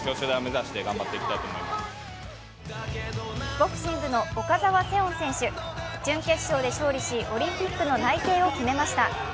ボクシングの岡澤セオン選手準決勝で勝利しオリンピックの内定を決めました。